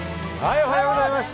おはようございます。